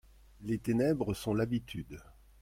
Les ténèbres sont l'habitude.